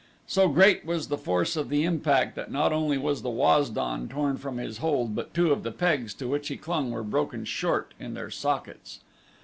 So great was the force of the impact that not only was the Waz don torn from his hold but two of the pegs to which he clung were broken short in their sockets.